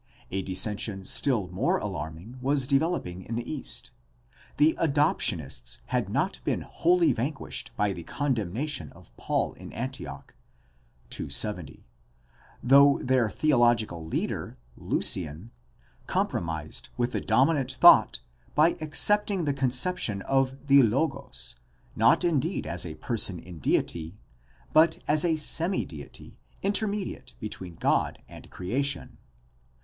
A dissension still more alarming was developing in the East. The Adoptionists had not been wholly vanquished by the condemnation of Paul in Antioch (270), though their theological leader, Lucian, compromised ,with the dominant thought by accepting the conception of the Logos, not indeed as a person in deity but as a semi deity intermediate between God and creation.